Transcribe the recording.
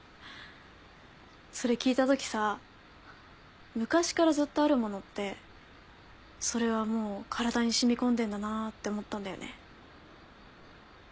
それ聞いたときさ昔からずっとあるものってそれはもう体に染み込んでんだなって思ったんだよね。